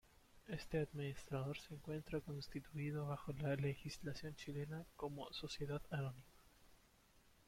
Este Administrador se encuentra constituido bajo la legislación chilena como Sociedad Anónima.